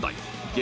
激